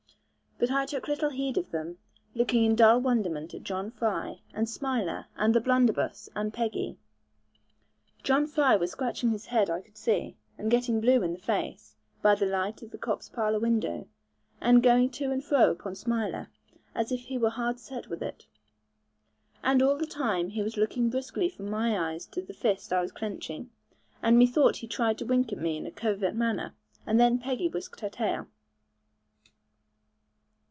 But I took little heed of them, looking in dull wonderment at John Fry, and Smiler, and the blunderbuss, and Peggy. John Fry was scratching his head, I could see, and getting blue in the face, by the light from Cop's parlour window, and going to and fro upon Smiler, as if he were hard set with it. And all the time he was looking briskly from my eyes to the fist I was clenching, and methought he tried to wink at me in a covert manner; and then Peggy whisked her tail.